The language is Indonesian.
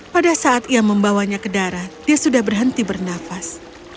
pada saat ia membawanya ke darat dia sudah berhenti bernafas